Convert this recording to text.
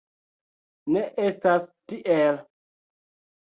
Ne estas tiel.